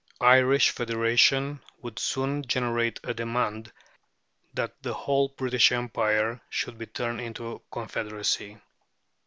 Irish federation "would soon generate a demand that the whole British Empire should be turned into a Confederacy" (p.